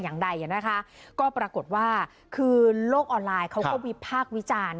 อย่างใดนะคะก็ปรากฏว่าคือโลกออนไลน์เขาก็วิพากษ์วิจารณ์